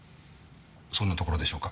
そんなところでしょうか？